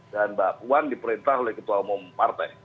dan bakuan diperintah oleh ketua umum partai